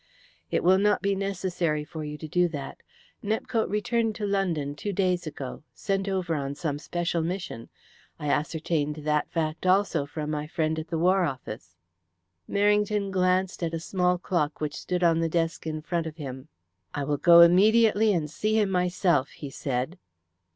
"It will not be necessary for you to do that. Nepcote returned to London two days ago sent over on some special mission. I ascertained that fact also from my friend at the War Office." Merrington glanced at a small clock which stood on the desk in front of him. "I will go immediately and see him myself," he said.